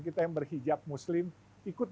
kita yang berhijab muslim ikut